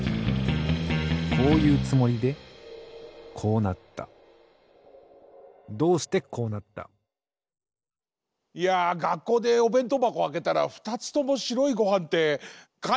こういうつもりでこうなったいやがっこうでおべんとうばこあけたらふたつともしろいごはんってかなりショックですよね。